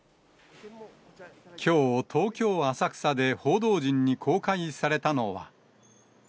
きょう、東京・浅草で報道陣に公開されたのは。